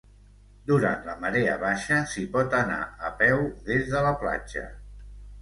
Durant la marea baixa, s'hi pot anar a peu des de la platja.